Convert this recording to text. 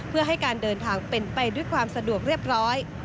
เพื่อให้การเดินทางเป็นไปด้วยความสะดวกเรียบร้อย